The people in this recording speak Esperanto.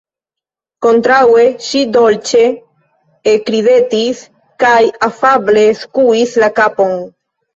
Kontraŭe, ŝi dolĉe ekridetis kaj afable skuis la kapon.